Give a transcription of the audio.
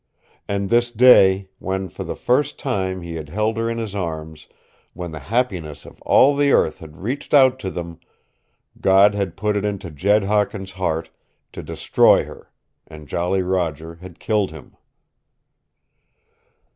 And this day, when for the first time he had held her in his arms, when the happiness of all the earth had reached out to them, God had put it into Jed Hawkins' heart to destroy her and Jolly Roger had killed him!